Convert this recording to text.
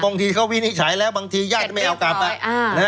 บางทีเขาวินิจฉัยแล้วบางทีญาติก็ไม่เอากลับ